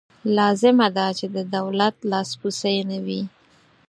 لازمه ده چې د دولت لاسپوڅې نه وي.